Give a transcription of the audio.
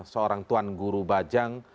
seorang tuan guru bajang